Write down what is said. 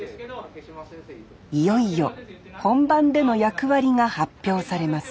いよいよ本番での役割が発表されます